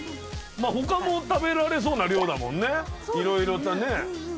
まあ他も食べられそうな量だもんね色々とね。